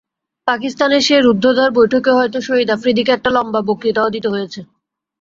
পাকিস্তানের সেই রুদ্ধদ্বার বৈঠকে হয়তো শহীদ আফ্রিদিকে একটা লম্বা বক্তৃতাও দিতে হয়েছে।